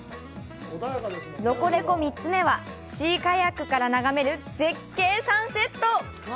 ロコレコ３つ目は、シーカヤックから眺める絶景サンセット。